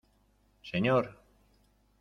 ¡ señor!